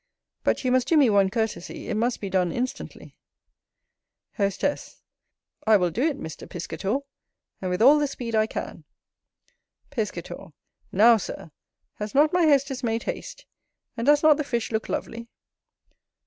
But you must do me one courtesy, it must be done instantly. Hostess. I will do it, Mr. Piscator, and with all the speed I can. Piscator. NOW, Sir, has not my hostess made haste? and does not the fish look lovely?